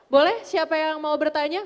boleh siapa yang mau bertanya